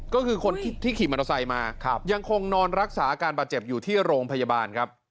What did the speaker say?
ก็คือคนที่ขี่มอเตอร์ไซค์มายังคงนอนรักษาอาการบาดเจ็บอยู่ที่โรงพยาบาลครับ